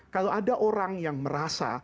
kalau ada orang yang merasa